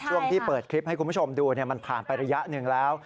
ที่เปิดคลิปให้คุณผู้ชมดูมันผ่านไประยะหนึ่งแล้ว